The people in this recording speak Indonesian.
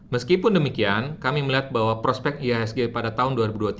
meskipun demikian kami melihat bahwa prospek ihsg pada tahun dua ribu dua puluh tiga